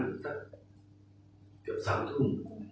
เกือบ๓ทุ่ม